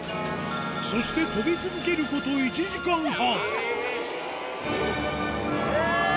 そして飛び続けること１時間半。